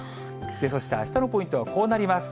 そしてあしたのポイントはこうなります。